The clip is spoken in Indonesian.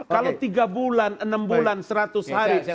kalau tiga bulan enam bulan seratus hari